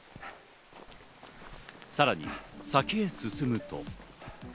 さらに先へ進むと。